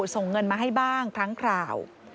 ส่งเงินมาให้บ้างครั้งคราว